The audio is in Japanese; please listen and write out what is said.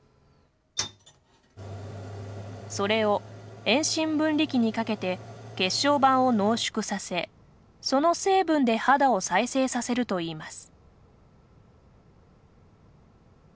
それを遠心分離器にかけて血小板を濃縮させその成分で肌を再生させるといいます。